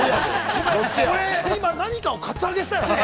◆俺今、何かをカツアゲしたよね。